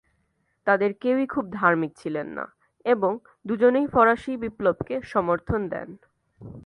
তাদের কেউই খুব ধার্মিক ছিলেন না, এবং দুজনেই ফরাসি বিপ্লবকে সমর্থন দেন।